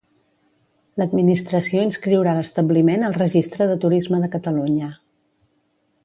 L'Administració inscriurà l'establiment al Registre de Turisme de Catalunya.